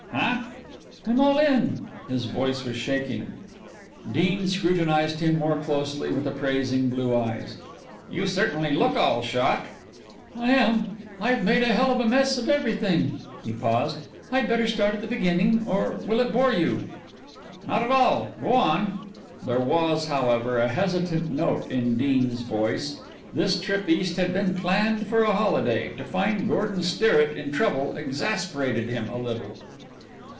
"Huh?" "I'm all in." His voice was shaking. Dean scrutinized him more closely with appraising blue eyes. "You certainly look all shot." "I am. I've made a hell of a mess of everything." He paused. "I'd better start at the beginning or will it bore you?" "Not at all; go on." There was, however, a hesitant note in Dean's voice. This trip East had been planned for a holiday to find Gordon Sterrett in trouble exasperated him a little.